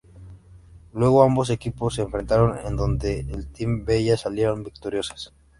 Luego ambos equipos se enfrentaron, en donde el Team Bella salieron victoriosas.